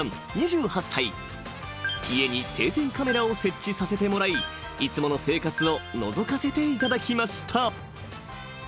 ［家に定点カメラを設置させてもらいいつもの生活をのぞかせていただきました］